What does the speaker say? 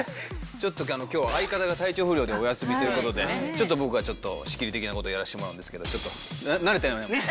ちょっと今日相方が体調不良でお休みという事でちょっと僕が仕切り的な事やらしてもらうんですけどちょっと慣れてないもんで。